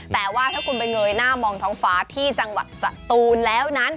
แต่ว่าถ้าคุณไปเงยหน้ามองท้องฟ้าที่จังหวัดสตูนแล้วนั้น